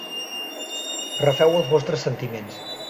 Refeu els vostres sentiments.